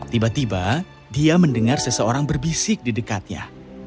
tiba tiba dia mendengar seseorang berbisik di dekatnya